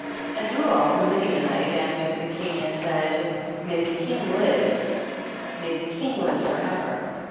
26. And Reuel the Midianite an swered the king and said, may the king live, may the king live forever.